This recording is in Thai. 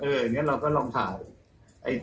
อย่างนี้เราก็ลองถ่าย